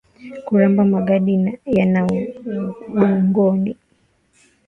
kuramba magadi ya udongoni